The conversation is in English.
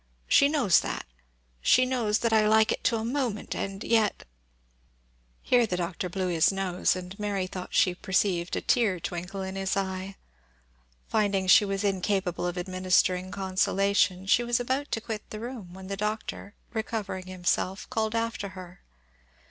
She knows that and she knows that I like it to a moment and yet " Here the Doctor blew his nose, and Mary thought she perceived a tear twinkle in his eye. Finding she was incapable of administering consolation, she was about to quit the room, when the Doctor, recovering himself, called after her.